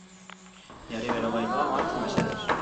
Jarri berogailua martxan mesedez!